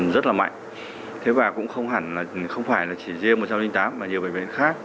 rất là mạnh thế và cũng không hẳn là không phải là chỉ riêng một trăm linh tám mà nhiều bệnh viện khác